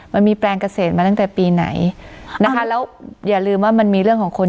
มันมีแปลงเกษตรมาตั้งแต่ปีไหนนะคะแล้วอย่าลืมว่ามันมีเรื่องของคน